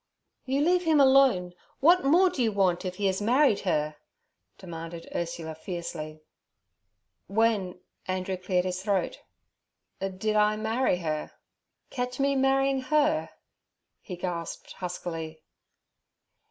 'You leave him alone. What more do you want, if he has married her?' demanded Ursula fiercely. 'When'—Andrew cleared his throat—'did I—marry her? Catch me marrying her!' he gasped huskily.